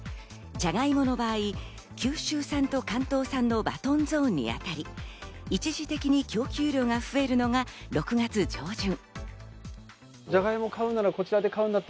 じゃがいもの場合、九州産と関東産のバトンゾーンに当たり、一時的に供給量が増えるのが６月上旬。